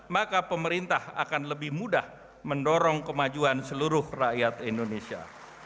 maka pemerintah akan lebih mudah mendorong kemajuan seluruh rakyat indonesia